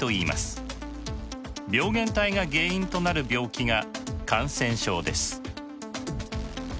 病原体が原因となる病気が感染症です。